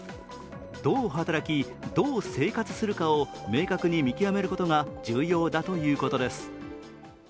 どう働き、どう生活するかを明確に見極めることが重要だとのことです。